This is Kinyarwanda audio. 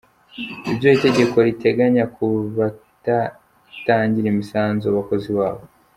Ibyo itegeko riteganya ku badatangira imisanzu abakozi babo.